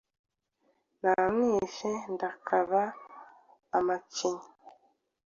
namwishe ndakaba amacinya